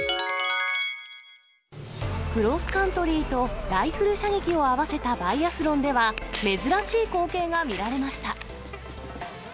クロスカントリーとライフル射撃を合わせたバイアスロンでは、珍しい光景が見られました。